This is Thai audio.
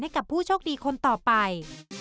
กับผู้โชคดีคนต่อไป